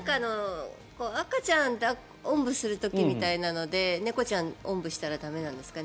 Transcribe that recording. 赤ちゃんをおんぶする時みたいなので猫ちゃん、おんぶしたら駄目なんですか。